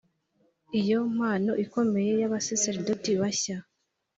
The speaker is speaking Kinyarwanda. iyo mpano ikomeyey’abasaserdoti bashya,